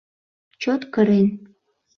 Чот кырен